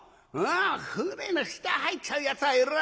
舟の下入っちゃうやつはいるわよ